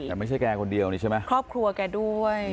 แต่ไม่ใช่แกคนเดียวครอบครัวแกด้วย